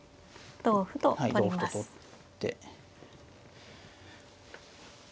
同歩と取ります。